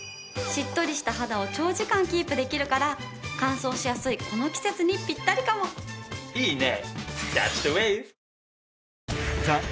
しっとりした肌を長時間キープできるから乾燥しやすいこの季節にピッタリかも。いいね！